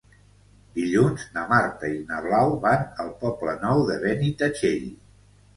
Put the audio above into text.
Dilluns na Marta i na Blau van al Poble Nou de Benitatxell.